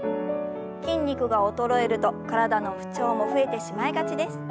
筋肉が衰えると体の不調も増えてしまいがちです。